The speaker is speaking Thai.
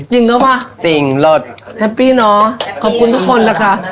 จริงเหรอวะจริงหลดแฮปปี้เนาะขอบคุณทุกคนนะคะ